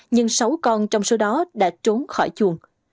nhưng sáu con trong số đó đã trốn khỏi chuồng